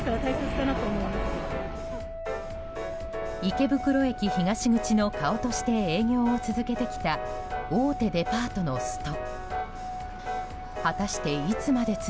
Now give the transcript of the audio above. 池袋駅東口の顔として営業を続けてきた大手デパートのスト。